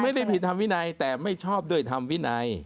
ไม่ได้ผิดธรรมวินัยแต่ไม่ชอบด้วยธรรมวินัย